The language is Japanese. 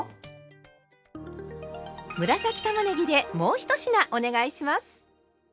紫たまねぎでもう１品お願いします！